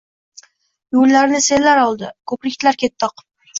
Yo‘llarni sellar oldi, ko‘priklar ketdi oqib.